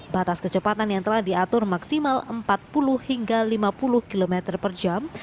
batas kecepatan yang telah diatur maksimal empat puluh hingga lima puluh km per jam